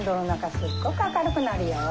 すっごく明るくなるよ。